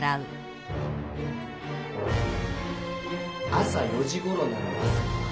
朝４時ごろなんですが。